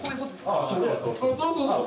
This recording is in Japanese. そうそうそう！